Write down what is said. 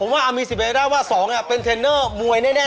ผมว่ามีสินใจได้ว่า๒เป็นเทรนเนอร์มวยแน่ล่ะ